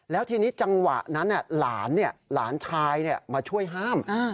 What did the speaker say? แล้วทีนี้จังหวะนั้นหลานชายมาช่วยห้าม